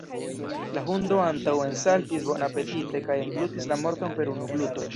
La hundo antaŭensaltis bonapetite kaj englutis la morton per unu gluto.